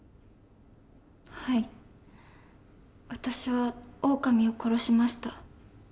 はい私はオオカミを殺しました。